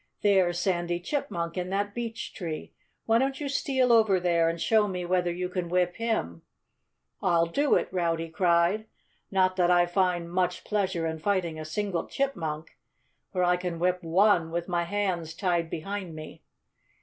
"There's Sandy Chipmunk in that beech tree. Why don't you steal over there and show me whether you can whip him?" "I'll do it!" Rowdy cried. "Not that I find much pleasure in fighting a single chipmunk for I can whip one with my hands tied behind me."